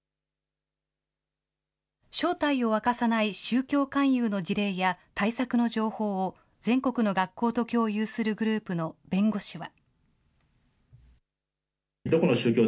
正体を明かさない宗教勧誘の事例や、対策の情報を全国の学校と共有するグループの弁護士は。